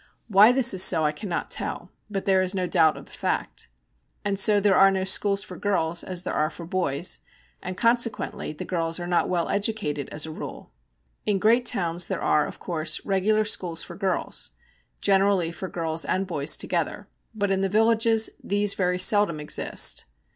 Why this is so I cannot tell, but there is no doubt of the fact. And so there are no schools for girls as there are for boys, and consequently the girls are not well educated as a rule. In great towns there are, of course, regular schools for girls, generally for girls and boys together; but in the villages these very seldom exist.